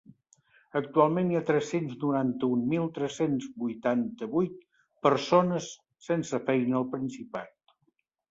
Actualment hi ha tres-cents noranta-un mil tres-cents vuitanta-vuit persones sense feina al Principat.